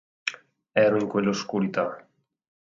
Ero in quell'oscurità.